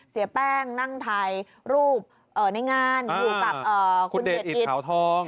เสียแป้งนั่งถ่ายรูปในงานอยู่กับคุณเดชอินเขาทอง